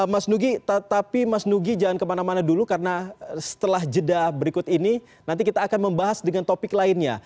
mas nugi tapi mas nugi jangan kemana mana dulu karena setelah jeda berikut ini nanti kita akan membahas dengan topik lainnya